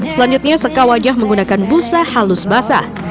selanjutnya seka wajah menggunakan busa halus basah